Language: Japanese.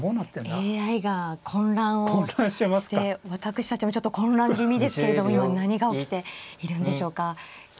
私たちもちょっと混乱気味ですけれども今何が起きているんでしょうか。